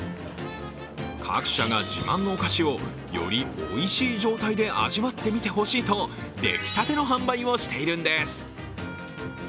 各社が自慢のお菓子をよりおいしい状態で味わってみてほしいと出来たての販売をしているんです。